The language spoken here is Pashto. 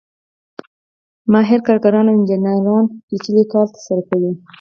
ماهر کارګران او انجینران پېچلی کار ترسره کوي